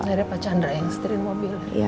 akhirnya pak chandra yang setirin mobil